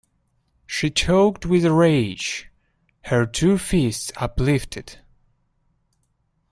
She choked with rage, her two fists uplifted.